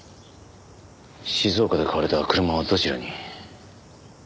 静岡で買われた車はどちらに？